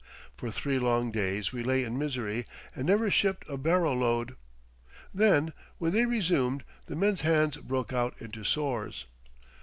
For three long days we lay in misery and never shipped a barrow load. Then, when they resumed, the men's hands broke out into sores.